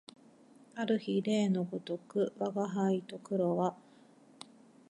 ある日例のごとく吾輩と黒は暖かい茶畠の中で寝転びながらいろいろ雑談をしていると、